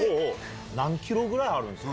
何キロくらいあるんですか？